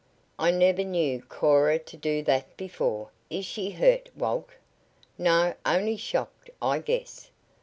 "I never knew Cora to do that before. Is she hurt, Walt?" "No; only shocked, I guess."